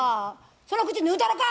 その口縫うたろか！